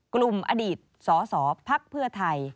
กลุ่มอดีตสสพักเพื่อไทย